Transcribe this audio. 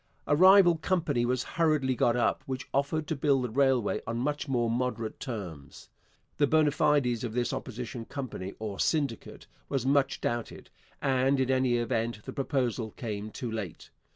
A rival company was hurriedly got up which offered to build the railway on much more moderate terms. The bona fides of this opposition company or 'syndicate' was much doubted, and, in any event, the proposal came too late.